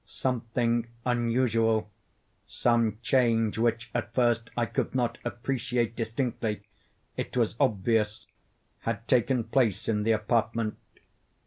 Something unusual—some change which, at first, I could not appreciate distinctly—it was obvious, had taken place in the apartment.